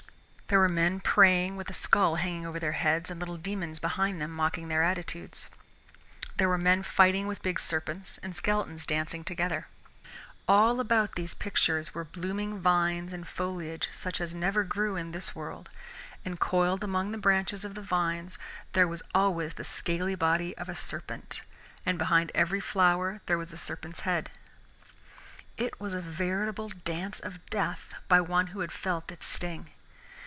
There were men praying with a skull hanging over their heads and little demons behind them mocking their attitudes. There were men fighting with big serpents, and skeletons dancing together. All about these pictures were blooming vines and foliage such as never grew in this world, and coiled among the branches of the vines there was always the scaly body of a serpent, and behind every flower there was a serpent's head. It was a veritable Dance of Death by one who had felt its sting.